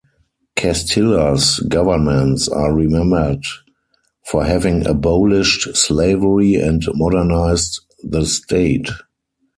Castilla's governments are remembered for having abolished slavery and modernized the state.